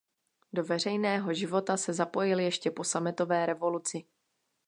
Do veřejného života se zapojil ještě po sametové revoluci.